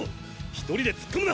一人で突っ込むな！